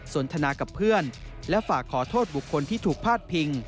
นทนากับเพื่อนและฝากขอโทษบุคคลที่ถูกพาดพิง